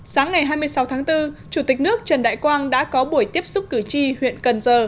sáng ngày hai mươi sáu tháng bốn chủ tịch nước trần đại quang đã có buổi tiếp xúc cử tri huyện cần giờ